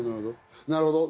なるほど。